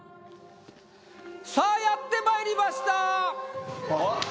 さあやってまいりましたあっ！